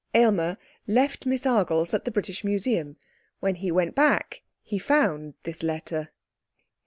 Aylmer left Miss Argles at the British Museum. When he went back, he found this letter.